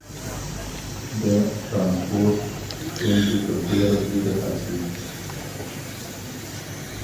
د ترانسپورت ستونزي تر ډيره حده حل سوي وې.